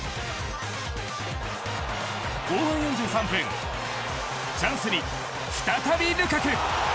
後半４３分チャンスに再びルカク。